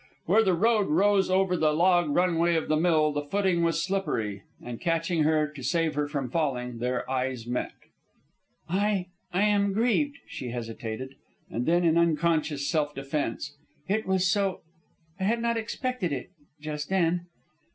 Where the road rose over the log run way of the mill the footing was slippery, and catching at her to save her from falling, their eyes met. "I I am grieved," she hesitated. And then, in unconscious self defence, "It was so ... I had not expected it just then."